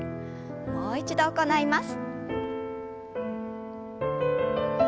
もう一度行います。